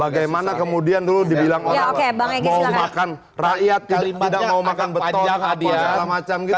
bagaimana kemudian dulu dibilang orang mau makan rakyat tidak mau makan beton atau segala macam gitu loh